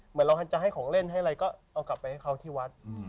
เหมือนเราจะให้ของเล่นให้อะไรก็เอากลับไปให้เขาที่วัด